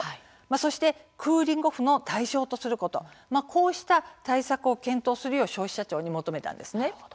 そしてクーリング・オフの対象とすること、こうした対策を消費者庁に求めたんです。